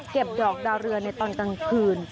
ดอกดาวเรือในตอนกลางคืน